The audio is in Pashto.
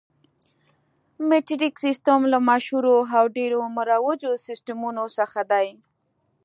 مټریک سیسټم له مشهورو او ډېرو مروجو سیسټمونو څخه دی.